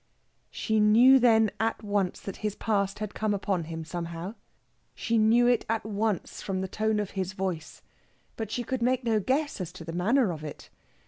She knew then at once that his past had come upon him somehow. She knew it at once from the tone of his voice, but she could make no guess as to the manner of it.